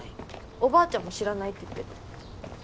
おばあちゃんも知らないって言ってた。